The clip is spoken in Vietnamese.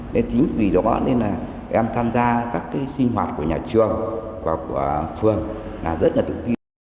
thế chính vì đó nên là em tham gia các cái sinh hoạt của nhà trường và của phường là rất là tự ti